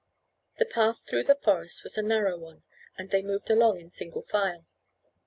The path through the forest was a narrow one, and they moved along in single file.